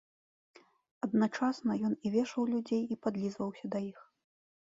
Адначасна ён і вешаў людзей і падлізваўся да іх.